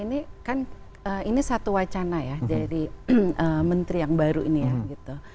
ini kan ini satu wacana ya dari menteri yang baru ini ya gitu